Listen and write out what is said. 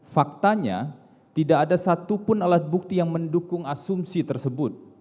faktanya tidak ada satupun alat bukti yang mendukung asumsi tersebut